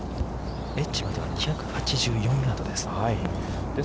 ◆エッジまでは２８４ヤードです。